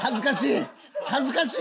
恥ずかしい！